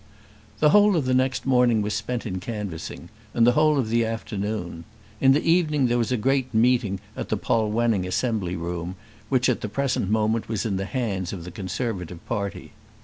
The whole of the next morning was spent in canvassing, and the whole of the afternoon. In the evening there was a great meeting at the Polwenning Assembly Room, which at the present moment was in the hands of the Conservative party.